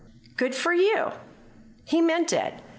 "Good for you!" He meant it.